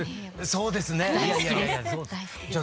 そうですね。